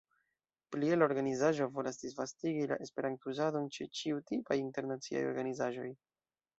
Plie, la organizaĵo volas disvastigi la esperanto-uzadon ĉe ĉiutipaj internaciaj organizaĵoj.